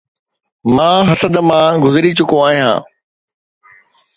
مان حسد مان گذري چڪو آهيان